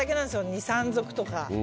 ２３足とか。